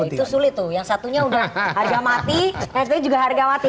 oke itu sulit tuh yang satunya udah harga mati yang satunya juga harga mati